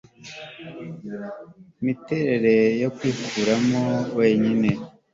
Imiterere yo kwikuramo wenyine